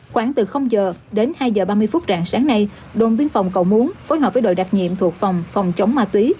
khoảng từ giờ đến hai giờ ba mươi phút rạng sáng nay đồng biên phòng cầu muốn phối hợp với đội đặc nhiệm thuộc phòng chống ma tý